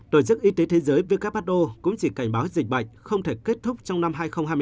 tổ chức y tế thế giới who cũng chỉ cảnh báo dịch bệnh không thể kết thúc trong năm hai nghìn hai mươi bốn